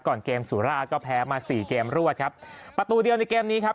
ก่อนเกมสุราชก็แพ้มาสี่เกมรวดครับประตูเดียวในเกมนี้ครับ